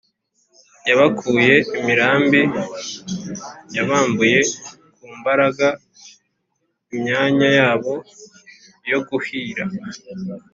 yabakuye imirambi: yabambuye ku mbaraga imyanya yabo yo kuhira